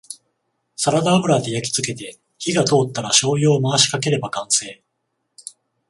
サラダ油で焼きつけて火が通ったらしょうゆを回しかければ完成